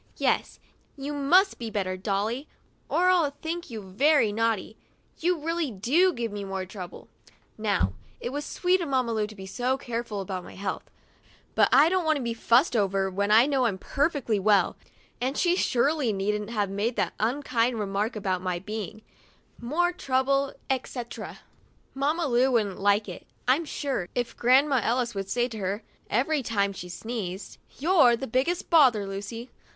Yes, you must be better, Dolly, or I'll think you very naughty. You really do give me more trouble —" Now, it was sweet of Mamma Lu to be so careful about my health; but I don't want to be fussed over when I know I'm perfectly well, and she surely needn't have made that unkind remark about my being " more trouble, etc." Mamma Lu wouldn't like it, I'm sure, if Grandma Ellis would say to her, every time she sneezed : "You're the biggest bother, Lucy!'